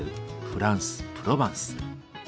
フランスプロバンス。